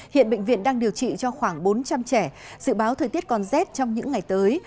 hiện bệnh viện đang điều trị cho khoảng bốn trăm linh trẻ dự báo thời tiết còn rét trong những ngày tới